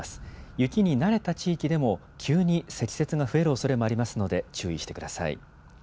雪に慣れた地域でも、急に積雪が増えるおそれがありますので、注意してください。